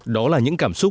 đó là những cảm xúc